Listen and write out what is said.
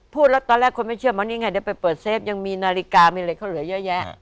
พูดแล้วตอนแรกคนไม่เชื่อมานี่ไงเดี๋ยวไปเปิดเซฟยังมีนาฬิกามีอะไรเขาเหลือเยอะแยะ